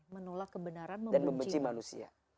menolak kebenaran membenci manusia